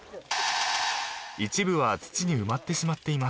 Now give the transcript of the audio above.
［一部は土に埋まってしまっています］